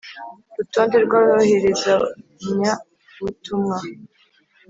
Rutonde rw aboherezanyabutumwa